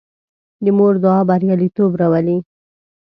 د مور دعا بریالیتوب راولي.